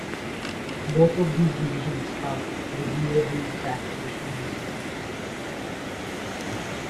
Both of these decisions are reviewable taxation decisions.